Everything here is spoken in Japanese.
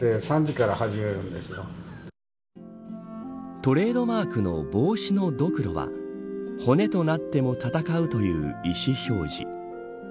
トレードマークの帽子のどくろは骨となっても戦うという意思表示。